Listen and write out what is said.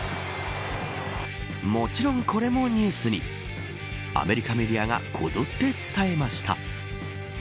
もちろんこれもニュースにアメリカメディアがこぞって伝えました。